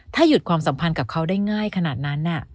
ถ้าหยุดความสัมพันธ์กับเขาได้ง่ายขนาดนั้น